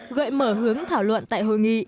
gợi mở hướng thảo luận tại hội nghị